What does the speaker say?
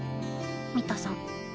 三田さん。